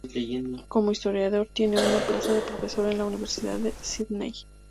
Como historiador, tiene una plaza de profesor en la Universidad de Sídney.